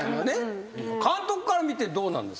監督から見てどうなんですか？